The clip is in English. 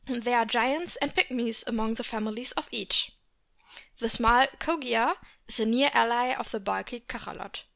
There are giants and pigmies among the families of each. The small Kogia is a near ally of the bulky Cachalot.